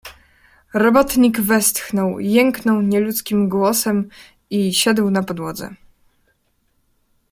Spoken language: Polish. "Robotnik westchnął, jęknął nieludzkim głosem i siadł na podłodze."